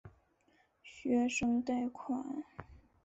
学生贷款。